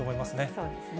そうですね。